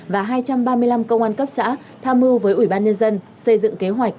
và hai trăm ba mươi năm công an cấp xã tham mưu với ủy ban nhân dân xây dựng kế hoạch